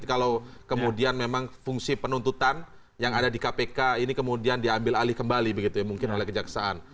kalau kemudian memang fungsi penuntutan yang ada di kpk ini kemudian diambil alih kembali begitu ya mungkin oleh kejaksaan